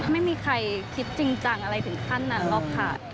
ไม่มีใครคิดจริงจังอะไรถึงขั้นนั้นหรอกค่ะ